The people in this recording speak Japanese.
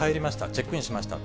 チェックインしました。